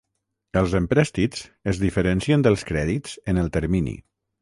Els emprèstits es diferencien dels crèdits en el termini.